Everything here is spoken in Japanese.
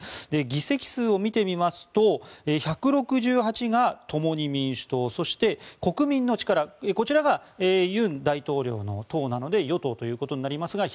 議席数を見てみますと１６８が共に民主党そして、国民の力こちらが尹大統領の党なので与党ということになりますが１０９